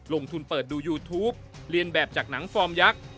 ลงทุนเปิดดูยูทูปเรียนแบบจากหนังฟอร์มยักษ์